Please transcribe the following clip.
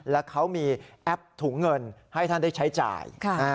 แล้วเขามีแอปถุงเงินให้ท่านได้ใช้จ่าย